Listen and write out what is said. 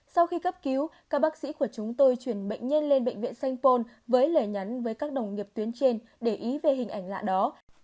sau khi cấp cứu các bác sĩ của chúng tôi chuyển bệnh nhân lên bệnh viện sanh pôn với lời nhắn với các đồng nghiệp tuyến trên để ý về hình ảnh lạ đó